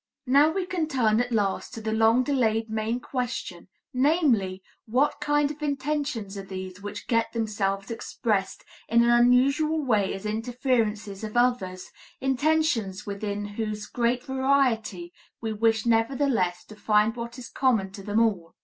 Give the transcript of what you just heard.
Now we can turn at last to the long delayed main question, namely, what kind of intentions are these which get themselves expressed in an unusual way as interferences of others, intentions within whose great variety we wish nevertheless to find what is common to them all!